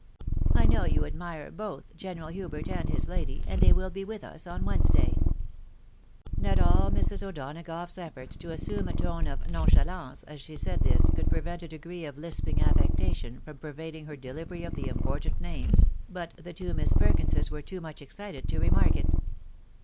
I know you admire both General Hubert and his lady, and they will be with us on Wednesday." Not all Mrs. O'Donagough's efforts to assume a tone of nonchalance, as she said tliis, could prevent a degree of lisping affectation from pervading her delivery of the important names, but the two Miss Perkinses were two much excited to remark it.